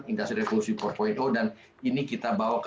industri revolusi empat dan ini kita bawa ke